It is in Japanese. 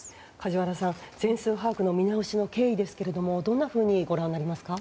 梶原さん全数把握の見直しの経緯ですがどんなふうにご覧になりますか？